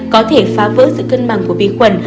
có thể phá vỡ sự cân bằng của vi khuẩn